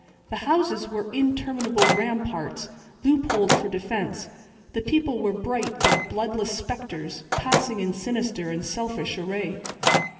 The houses were interminable ramparts loopholed for defense; the people were bright but bloodless spectres passing in sinister and selfish array.